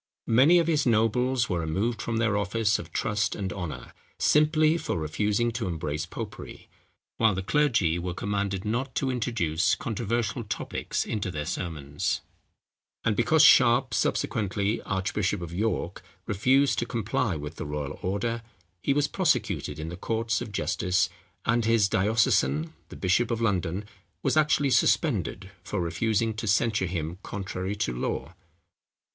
Many of his nobles were removed from their offices of trust and honour, simply for refusing to embrace popery, while the clergy were commanded not to introduce controversial topics into their sermons; and because Sharp, subsequently archbishop of York, refused to comply with the royal order, he was prosecuted in the courts of justice, and his diocesan, the bishop of London, was actually suspended for refusing to censure him contrary to law.